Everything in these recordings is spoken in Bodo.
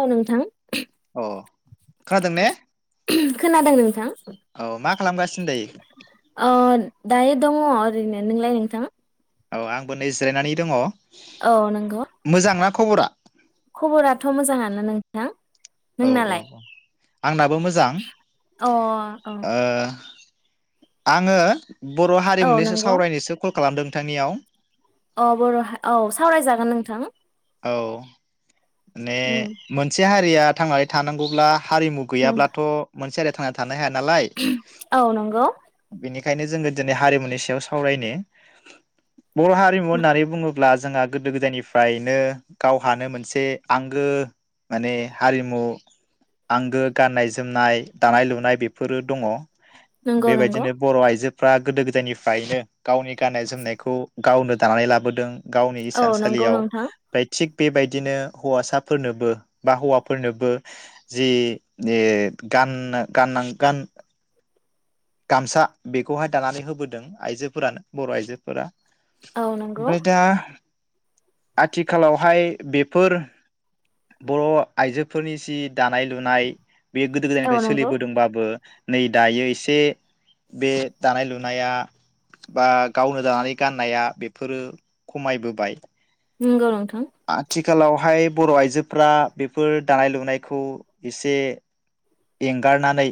औ नों थां ओ खोनादों ने खोनादों नोंथां औ मा खालामगासि ओ दायो दङ ओरैनो नोंलाय नोंथां औ आंबो नै जिरायनानै दङ औ नंगौ मोजांना खबरा खबराथ' मोजाङानो नोंथां औ औ नोंनालाय औ आंना बो मोजां अ औ ओ आङो बर' औ हारिमुनिसो नंगौ सावरायनोसो कल खालामदों नोंथांनियाव अ बर' हा औ सावरायजागोन नोंथां। औ माने उम मोनसे हा रिया थांनानै थानांगौब्ला हारिमु नों- गैयाब्लाथ' मोनसे हारिया थांना था हाया नालाय औ नंगौ बेनि खायनो जोङो दिनै हारिमुनि सायाव सावरायनो बर' हारिमु होननानै बुङो। ब्ला जोंहा गोदो गोदायनिफ्राय बिनो गावहानो मोनसे आंगो माने हारिमु आंगो गाननाय जोमनाय दानाय लुनाय बेफोरो दङ। नंगौ नंगौ बेबायदिनो बर' आइजो फ्रा गोदो गोदायनिफ्रायनो गावनि गाननाय जोमनायखौ गावनो दानानै लाबोदों। गावनि औ नंगौ इसानसालियाव नोंथां थिग बेबायदिनो हौवासाफोरनोबो बा हौवाफोरनोबो जि गाननो गान गान गामसा बेखौहाय दानानै होबोदों आइजोफोरानो बर' आइजोफोरा औ नंगौ ओमफ्राय दा आथिखालावहाय बेफोर बर' आइजोफोरनि जि दानाय लुनाय। बेयो गोदो औ गोदायनिफ्राय नंगौ सोलिबोदोंबाबो नै दायो एसे बे दानाय लुनाया बा गावनो दानानै गाननाया बेफोरो खमायबोबाय नंगौ नोंथां। आथि खालावहाय बर' आइजोफोरा बेफोर दानाय लुनायखौ एसे एंगारनानै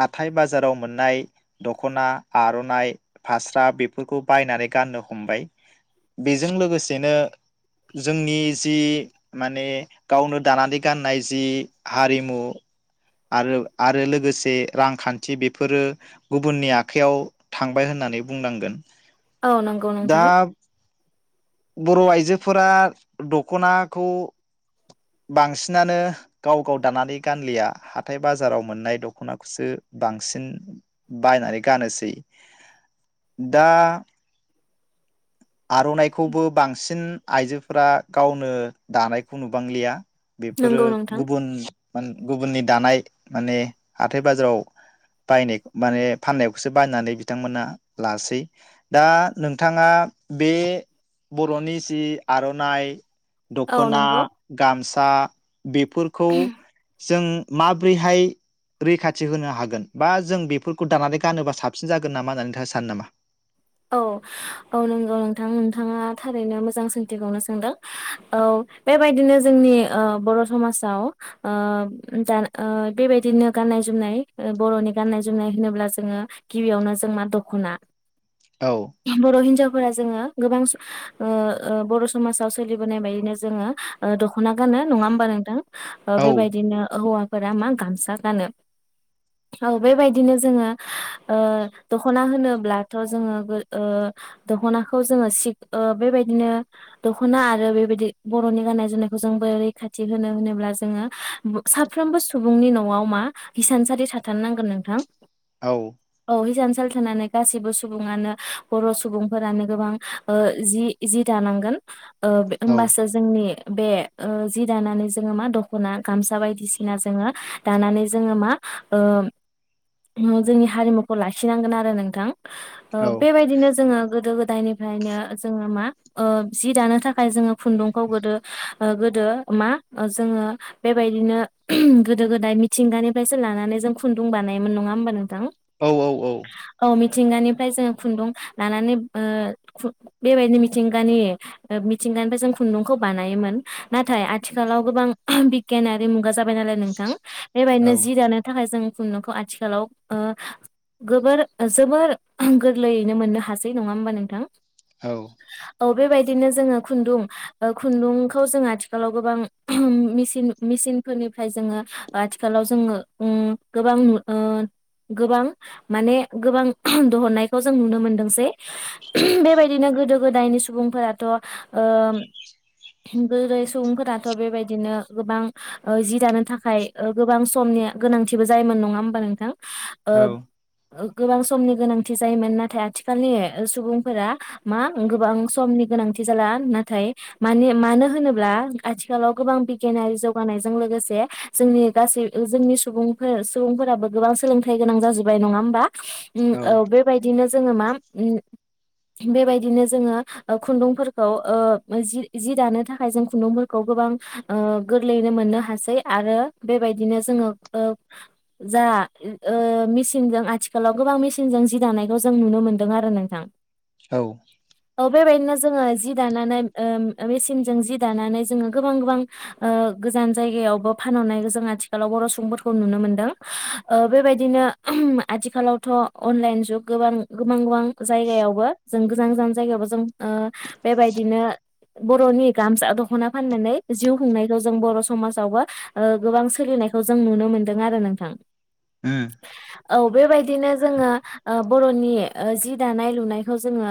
हाथाय बाजाराव मोननाय दख'ना आर'नाइ फास्रा बेफोरखौ बायनानै गाननो हमबाय बेजों लोगोसेनो जोंनि जि माने गावनो दानानै गाननाय जि हारिमु आरो आरो लोगोसे रांखान्थि बेफोरो गुबुननि आखाइयाव थांबाय होननानै बुंनांगोन। औ नंगौ दा नोंथां। बर' आइजोफोरा दख'नाखौ बांसिनानो गाव गाव दानानै गानलिया हाथाय बाजाराव मोननाय दख'नाखौसो बांसिन बायनानै गानोसै दा आर'नाइ खौबो बांसिन आइजोफोरा गावनो दानायखौ नुबांलिया। बेफोरो नंगौ नोंथां गुबुन मा गुबुननि दानाय माने हाथाय बाजाराव बायनाय माने फाननायखौसो बायनानै बिथांमोना लासै दा नोंथाङा बे बर'नि जि आर'नाइ औ दख'ना नंगौ गामसा बेफोरखौ जों माब्रैहाय रैखाथि होनो हागोन बा जों बेफोरखौ दानानै गानोबा साबसिन जागोन नामा होननानै सानो नामा औ औ नंगौ नोंथां नोंथाङा थारैनो मोजां सोंथिखौनो सोंदों औ बेबायदिनो जोंनि ओ बर' समाजाव ओ बेबायदिनो गाननाय जोमनाय बर'नि गाननाय जोमनाय होनोब्ला जोङो गिबियावनो जों मा दख'ना औ बर' हिनजावफोरा जोङो गोबां स ओ ओ बर' समाजाव सोलिबोनाय बायदिनो जोङो दख दख'ना गानो नङा होमबा नोंथां ओ औ बेबायदिनो हौवा फोरा मा गामसा गानो औ बेबायदिनो जोङो ओ दख'ना होनोब्लाथ' जोङो ओ दख'नाखौ जोङो सि ओ बेबायदिनो दख'ना आरो बेबायदि बर'नि गाननाय जोमनायखौ जोंबो रैखाथि होनो होनोब्ला जोङो साफ्रोमबो सुबुंनि न'आव मा हिसानसारि थाथारनांगोन नोंथां औ [unintelligible] साल थानानै गासिबो सुबङानो बर' सुबुंफोरानो गोबां ओ जि जि दानांगोन ओ बे औ होमबासो जोंनि बे ओ जि दानानै जोङो मा दख'ना गामसा बायदिसिना जोङो दानानै जोङो मा ओ जोंनि हारिमुखौ लाखिनांगोन आरो नोंथां ओ औ बेबायदिनो जोङो गोदो गोदायनिफ्रायनो जोङो मा ओ जि दानो थाखाय जोङो खुन्दुंखौ गोदो ओ गोदो मा जोङो बेबायदिनो गोदो गोदाय मिथिंगानिफ्रायसो लानानै जों खुन्दुं बानायोमोन नङा होमबा नोंथां औ औ औ औ मिथिंगानिफ्राय जों खुन्दुं लानानै ओ खु बेबायदि मिथिंगानि मिथिंगानिफ्राय जों खुन्दुंखौ बानायोमोन नाथाय आथिखालाव गोबां बिगियानारि मुगा जाब जाबाय नालाय नोंथां औ बेबायदिनो जि दानो थाखाय जों खुंन्दुंखौ आथिखालाव गोबोर जोबोर गोरलैयैनो मोननो हासै नङा होमबा नोंथां औ बेबायदिनो जोङो खुन्दुं ओ खुन्दुंखौ जोङो आथिखालाव गोबांसिन मिसिनफोरनिफ्राय जोङो आथिखालाव जोङो ओ गोबां ओम गोबां माने गोबां दिहरनाय खौ जों नुनो मोनदोंसै बेबायदिनो गोदो गोदायनि सुबुंफोराथ' ओ गोदो सुबुंफोराथ' बेबायदिनो गोबां जि दानो थाखाय ओ गोबां समनि गोनांथिबो जायोमोन नङा होमबा नोंथां ओ गोबां समनि गोनांथि जायोमोन नाथाय आथिखालनि सुबुंफोरा मा गोबां समनि गोनांथि जाला नाथाय मा मानो होनोब्ला आथिखालाव गोबां बिगियानारि जौगानायजों लोगोसे जोंनि गासै जोंनि सुबुंफोर सुबुंफोराबो गोबां सोलोंथाइ गोनां जाजोबबाय नङा होमबा उम औ बे दिनो जोङो मा बेबादिनो जोङो खुन्दुंफोरखौ ओ जि जि दानो थाखाय जों खुन्दुंफोरखौ गोबां गोरलैयैनो मोननो हासै आरो बेबादिनो जोङो जा मेसिनजों ओ आथिखालाव जा जि दानायखौ जों नुनो मोन्दों आरो नोंथां औ बेबायदिनो जोङो जि दानानै ओ मेसिनजों जि दानानै जोङो गोबां गोबां ओ गोजान जायगायावबो फानहरनाय जों आथिखालाव बर' सुबुंफोरखौ नुनो मोनदों ओ बेबायदिनो आथिखालावथ' अनलाइन जु जुग गोबां गोबां गोबां जायगायावबो जों गोजान गोजान जायगायावबो जों ओ बेबायदिनो बर'नि गामसा दखना फाननानै जिउ खुंनायखौ जों बर' समाजावबो ओ गोबां सोलिनायखौ जों नुनो मोनदों आरो नोंथां औ बेबायदिनो जोङो ओ बर'नि जि दानाय लुनायखौ जोङो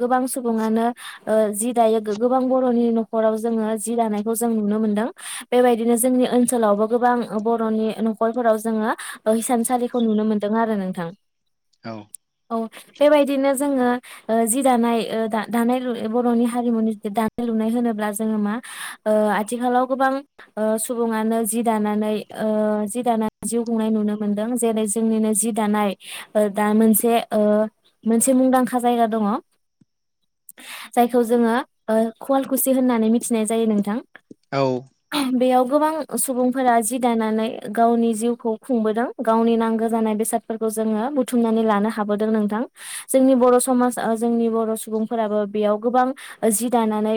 गोबां सुबुङानो ओ जि दायो गोबां बर'नि न'खराव जोङो जि दानायखौ जों नुनो मोनदों बेबायदिनो जोंनि ओनसोलावबो गोबां बर'नि न'खरफोराव जोङो हिसानसालि खौ नुनो मोनदों आरो नोंथां औ औ बेबायदिनो जोङो जि दानाय दा दानाय लु बर'नि हारिमुनि दानाय लुनाय होनोब्ला जोङो मा आथिखालाव गोबां सुबुङानो जि दानानै जि दानानै ओ जिउ खुंनाय नुनो मोनदों जेरै जोंनिनो जि दानाय दा मोनसे ओ मोनसे मुंदांखा जायगा दङ जायखौ जोङो कवालकुसि होननानै मिथिनाय जायो नोंथां औ बेयाव गोबां सुबुंफोरा जि दानानै गावनि जिउखौ खुंबोदों गावनि नांगौ जानाय बेसादफोरखौ खौ जोङो बुथुमनानै लानो हाबोदों नोंथां जोंनि बर' समाज जोंनि बर' सुबुंफोराबो बेयाव गोबां जि दानानै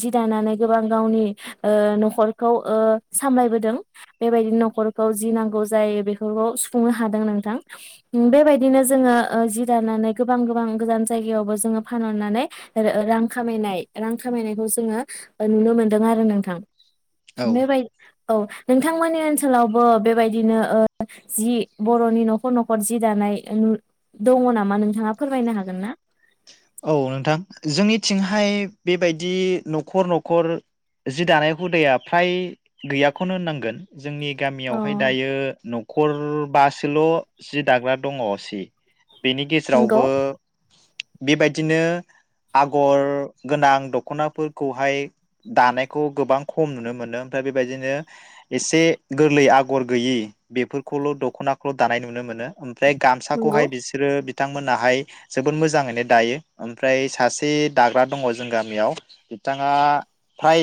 जि दानानै गोबां गावनि ओ न'खरखौ ओ सामलायबोदों बेबायदि न'खरखौ जि नांगौ जायो बेफोरखौ सुफुंनो हादों नोंथां बेबायदिनो जोङो जि दानानै गोबां गोबां गोजान जायगायावबो जोङो फानहरनानै रां खामायनाय रां खामायनायखौ जोङो नुनो मोनदों आरो नोंथां औ बे बायदि औ नोंथांमोननि ओनसोलावबो बेबायदिनो जि बर'नि न'खर न'खर न'खर जि दानाय दङ नामा नोंथाङा फोरमायनो हागोन ना औ नोंथां जोंनिथिंहाय बेबायदि न'खर न'खर जि दानाय हुदाया फ्राय गैयाखौनो होननांगोन जोंनि औ गामियावहाय दायो न'खर बा सोल' जि दाग्रा दङ सि बेनि नंगौ गेजेरावबो बेबायदिनो आगर गोनां दख'नाफोरखौहाय दानायखौ गोबां खम नुनो मोनो ओमफ्राय बेबायदिनो एसे गोरलै आगर गैयि बेफोरखौल' दख'नाखौल' दानाय नुनो मोनो ओम फ्राय नंगौ गामसाखौहाय बिसोरो बि थांमोनाहाय जोबोद मोजाङैनो दायो ओमफ्राय सासे दाग्रा दङ जों गामियाव बिथाङा फ्राय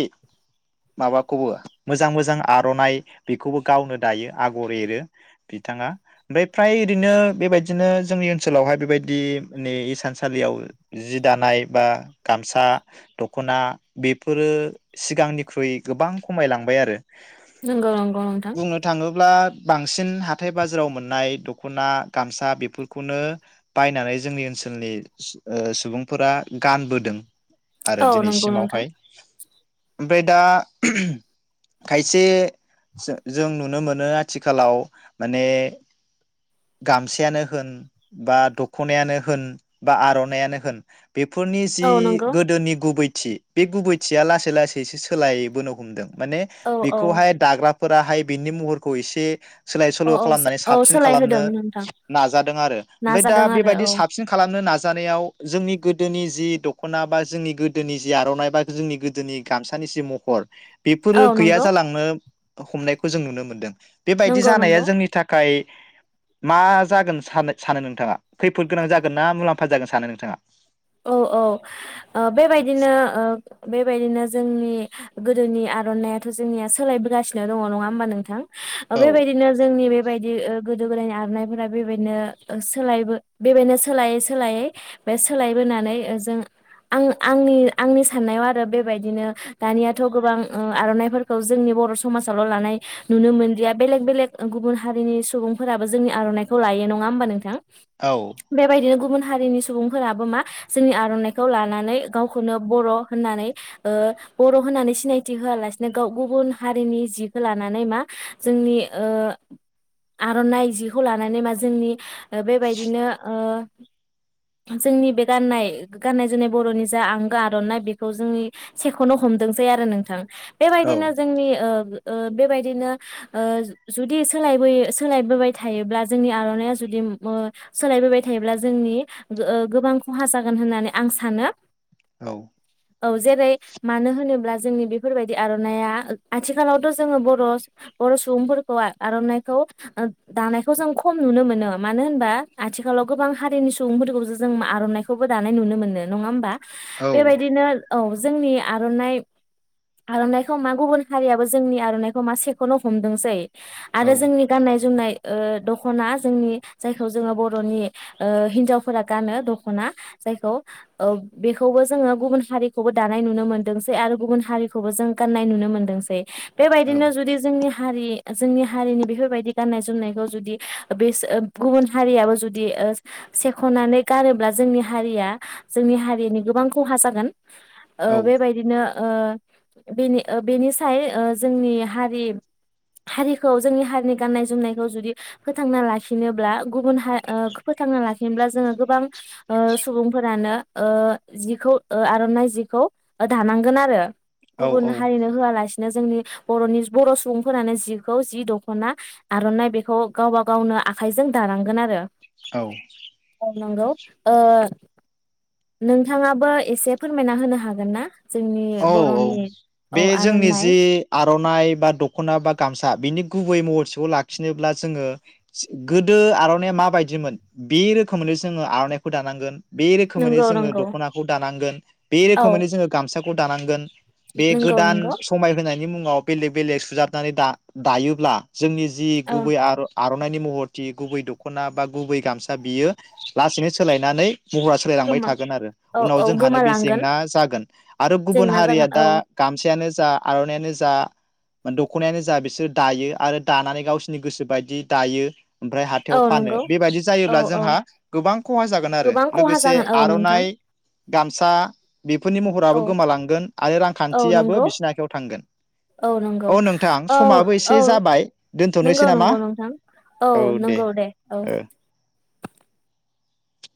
माबाखौबो मोजां मोजां आर'नाइ बेखौबो गावनो दायो आगर एरो बिथाङा ओमफाय फ्राय ओरैनो बेबायदिनो जोंनि ओनसोलावहाय बेबायदि माने इसान सालियाव जि दानाय बा गामसा दख'ना बेफोरो सिगांनिख्रुइ गोबां खमायलांबाय आरो नोंगौ नोंगौ नोंथां बुंनो थाङोब्ला बांसिन हाथाय बाजाराव मोननाय दख'ना गामसा बेफोरखौनो बायनानै जोंनि ओनसोलनि सु ओ सुबुंफोरा गानबोदों आरो औ नंगौ नोंथां दिनैसिमावहाय ओमफाय दा खायसे जो जों नुनो मोनो आथिखालाव माने गामसायानो होन बा दख'नायानो होन बा आर'नाय आनो होन बेफोरनि जि औ नंगौ गोदोनि गुबै थि बे गुबैथिया लासै लासैसो सोलायबोनो हमदों माने औ औ बेखौहाय दाग्रा फोराहाय बिनि महरखौ एसे सोलाय सोल' औ खालामनानै औ साबसिन खालामनो सोलायहोदों नोंथां नाजादों आरो ओमफाय दा नाजादों आरो बेबायदि औ साबसिन थांनो नाजानायाव जोंनि गोदोनि जि दख'ना बा जोंनि गोदोनि जि आर'नाइ बा जोंनि गोदोनि गामसानि जि महर बेफोरो औ गैया नंगौ जालांनो हमनायखौ जों नुनो मोन्दों। बेबायदि नंगौ जानाया नंगौ जोंनि थाखाय मा जागोन सानो सानो नोंथाङा खैफोद गोनां जाग गोन ना मुलाम्फा जागोन सानो नोंथाङा? औ औ ओ बेबायदिनो ओ बेबायदिनो जोंनि गोदोनि आर'नायाथ' जोंनिया सोलायबोगासिनो दङ नङा होमबा नोंथां? ओ औ बे बायदिनो जोंनि बेबाय दि ओ गोदो-गोदायनि आरनायफोरा बेबायनो सोलाय बो बेबायनो सोलायै सोलायै बे सोलाय बोनानै ओ जों आं आंनि आंनि साननायाव आरो बेबायदिनो दानियाथ' गोबां ओ आर'नाइफोरखौ जोंनि बर' समाजावल' लानाय नुनो मोनलिया बेलेग बेलेग गुबुन हारिनि सुबुंफोराबो जोंनि आर'नाइखौ लायो नङा होमबा नोंथां? औ बे बायदिनो गुबुन हारिनि सुबुंफोराबो मा जोंनि आर'नाइखौ लानानै गावखौनो बर' होननानै ओ बर' होननानै सिनायथि होआलासिनो गाव गुबुन हारिनि जिखो लानानै मा जोंनि ओ आर'नाइ जिखौ लानानै मा जोंनि ओ बेबायदिनो ओ जोंनि बे गाननाय गाननाय जोमनाय बर'नि जा आंगो आर'ननाइ बेखौ जोंनि सेखौनो हमदोंसै आरो नोंथां। औ बेबायदिनो जोंनि ओ ओ बेबायदिनो ओ जुदि सोलायबोयो सोलायबोबाय थायोब्ला जोंनि आर'नाइया जुदि ओ सोलायबोबाय थायोब्ला जोंनि ओ गोबां खहा जागोन होननानै आं सानो। औ। औ जेरै मानो होनोब्ला जोंनि बेफोरबायदि आर'नाइया आथिखालावथ' जोङो बर' बर' सुबुंफोरखौ आर'नाइखौ ओ दानायखौ जों खम नुनो मोनो मानो होनबा आथिखालाव गोबां हारिनि सुबुंफोरखौसो जों आर'नाइ खौबो दानाय नुनो मोनो। नङा होमबा औ बे बायदिनो औ जोंनि आर'नाइ आर'नाइखौ मा गुबुन हारियाबो जोंनि आर'नाइखौ मा सेख'नो हमदोंसै। औ आरो जोंनि गाननाय-जोमनाय ओ दख'ना जोंनि जायखौ जोङो बर'नि ओ हिनजावफोरा गानो द' दखना जायखौ ओ बेखौबो जोङो गुबुन हारिखौबो दानाय नुनो मोनदोंसै आरो गुबुन हारिखौबो जों गाननाय नुनो मोनदोंसै। बेबायदिनो जुदि जोंनि हारि जोंनि हारिनि बेफोरबायदि गाननाय जोमनायखौ जुदि बे ओ गुबुन हारियाबो जुदि ओ सेख'नानै गानोब्ला जोंनि हारिया जोंनि हारिनि गोबां खहा जागोन। ओ बे बायदिनो ओ बेनि ओ बेनिसाय ओ जोंनि हारि हारिखौ जोंनि हारिनि गाननाय जोमनायखौ जुदि फोथांना लाखिनोब्ला गुबुन हारि ओ फोथांना लाखिनोब्ला जोङो गोबां। ओ सुबुंफोरानो ओ जिखौ ओ आर'नाइ जिखौ दानांगोन आरो औ गुबुन औ हारिनो होआ लासिनो बिनो जोंनि बर'नि बर' सुबुंफोरानो जिखौ जि दख'ना आर'नाइ बेखौ गावबा गावनो आखाइजों दानांगोन आरो औ। औ नंगौ ओ नोंथाङाबो एसे फोरमायना होनो हागोन ना? जोंनि औ औ बर'नि बे औ जोंनि आर'नाइ जि आर'नाइ बा दख'ना बा गामसा बेनि गुबै महरथिखौ लाखिनोब्ला जोङो गोदो आर'नाइया माबायदिमोन बे रोखोमैनो जोङो आर'नाइखौ दानांगोन बे रोखोमैनो नंगौ जोङो नंगौ दख'नाखौ दानांगोन बे औ रोखोमैनो जोङो गामसाखौ खौ दानांगोन बे नंगौ गोदान नंगौ समाय होनायनि मुङाव बेलेग बेलेग सुजाबनानै दा दायोब्ला जोंनि जि औ गुबै आर' आर' नायनि महरथि गुबै दख'ना बा गुबै गामसा बियो लासैनो सोलायनानै महरा सोलायलांबाय गोमा थागोन आरो औ उनाव औ जोंहानो बे गोमालांगोन जेंना जागोन आरो गुबुन जेंना हारिया जागोन दा औ गामसायानो जा आर'नायानो जा ओ दख'नायानो जा बिसोर दायो आरो दानानै गावसिनि गोसो बायदि दायो ओमफ्राय हाथायाव औ फानो नंगौ बेबायदि औ जायोब्ला औ जोंहा गोबां खहा जागोन आरो गोबां खहा लोगोसे जागोन औ नोंथां आर'नाइ गामसा बेफोरनि औ महराबो लांगोन आरो औ रांखान्थियाबो नंगौ बिसिनि आखायाव थांगोन [unintelligible] औ नंगौ नोंथां औ समाबो औ एसे जाबाय नंगौ दोनथ'नोसै नामा नंगौ नोंथां औ नंगौ दे औ ओ